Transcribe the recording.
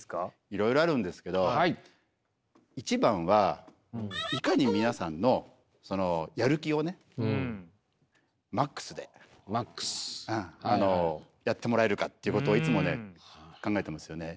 いろいろあるんですけど一番はいかに皆さんのやる気をねマックスでやってもらえるかっていうことをいつもね考えてますよね。